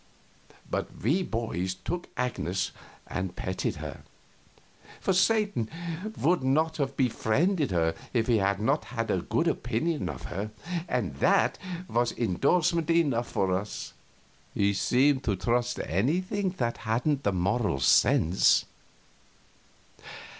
But we boys took Agnes and petted her, for Satan would not have befriended her if he had not had a good opinion of her, and that was indorsement enough for us. He seemed to trust anything that hadn't the Moral Sense.